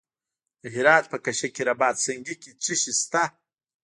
د هرات په کشک رباط سنګي کې څه شی شته؟